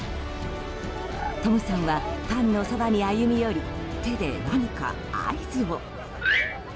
トムさんはファンのそばに歩み寄り、手で何か合図を。